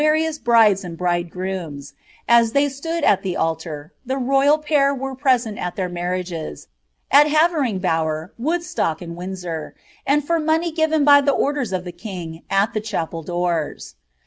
133 firious brides and bridegrooms, as they stood at tlie altar — the royal pair were present at their marriages, at Havering Bower, Woodstock, ind Windsoi^— and for money given by the orders of tlie king, at the cbapel doors.